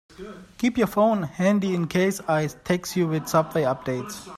Keep your phone handy in case I text you with subway updates.